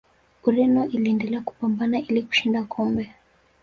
ureno iliendelea kupambana ili kushinda kombe